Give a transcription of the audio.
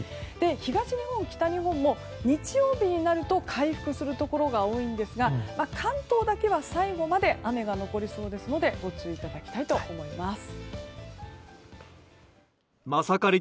東日本、北日本も日曜日になると回復するところが多いんですが関東だけは最後まで雨が残りそうですのでご注意いただきたいと思います。